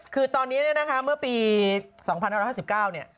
คือตอนนี้เนี่ยนะคะเมื่อปี๒๕๕๙เนี่ย